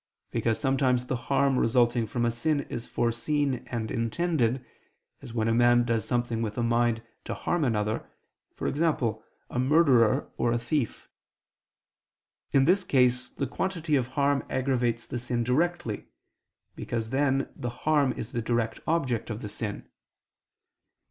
Because sometimes the harm resulting from a sin is foreseen and intended, as when a man does something with a mind to harm another, e.g. a murderer or a thief. In this case the quantity of harm aggravates the sin directly, because then the harm is the direct object of the sin.